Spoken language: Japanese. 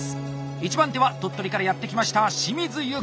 １番手は鳥取からやって来ました清水由佳。